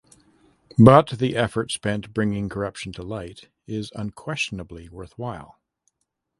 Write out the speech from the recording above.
But the effort spent bringing corruption to light is unquestionably worthwhile.